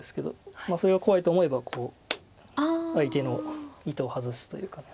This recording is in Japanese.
それが怖いと思えばこう相手の意図を外すという考え。